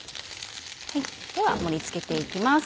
では盛り付けて行きます。